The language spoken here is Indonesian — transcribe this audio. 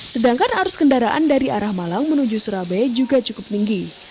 sedangkan arus kendaraan dari arah malang menuju surabaya juga cukup tinggi